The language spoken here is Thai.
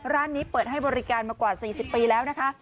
ร้านนี้เปิดให้บริการมากว่า๔๐ปีแล้วนะคะ